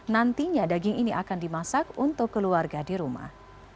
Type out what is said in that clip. nantinya daging ini akan dimasak untuk keluarga di rumah